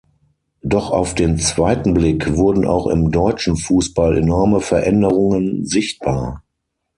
Doch auf den zweiten Blick wurden auch im deutschen Fußball enorme Veränderungen sichtbar.